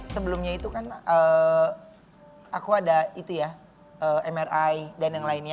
sebelumnya itu kan aku ada mri dan yang lainnya